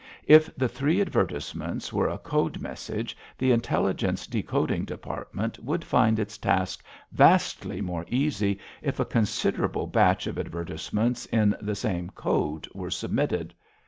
If the three advertisements were a code message the intelligence decoding department would find its task vastly more easy if a considerable batch of advertisements in the same code were submitted.